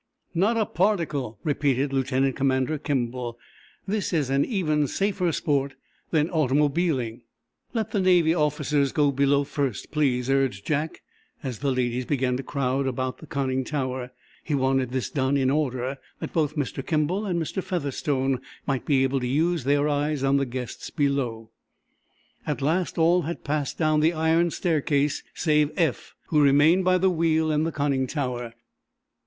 "Not a particle," repeated Lieutenant Commander Kimball. "This is an even safer sport than automobiling." "Let the Navy officers go below first, please," urged Jack, as the ladies began to crowd about the conning tower. He wanted this done in, order that both Mr. Kimball and Mr. Featherstone might be able to use their eyes on the guests below. At last all had passed down the iron staircase save Eph, who remained by the wheel in the conning tower.